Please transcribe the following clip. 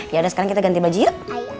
yaudah sekarang kita ganti baju yuk